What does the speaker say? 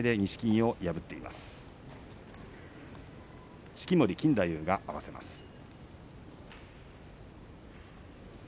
式守錦太夫が合わせます。